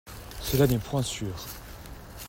Cela n'est point sûr.